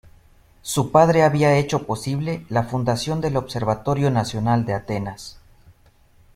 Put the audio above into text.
Su padre había hecho posible la fundación del Observatorio Nacional de Atenas.